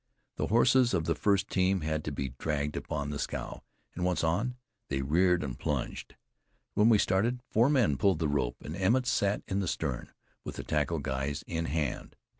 The horses of the first team had to be dragged upon the scow, and once on, they reared and plunged. When we started, four men pulled the rope, and Emmett sat in the stern, with the tackle guys in hand.